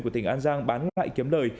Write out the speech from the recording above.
của tỉnh an giang bán lại kiếm lời